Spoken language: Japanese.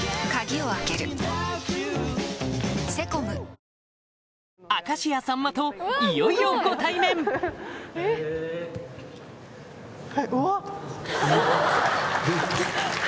さらに明石家さんまといよいよご対面はい。